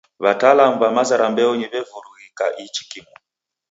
W'atalamu w'a maza ra mbeonyi w'evurughika ichi kimu.